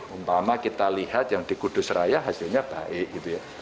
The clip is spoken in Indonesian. umpama kita lihat yang di kudus raya hasilnya baik gitu ya